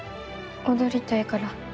踊りたいから。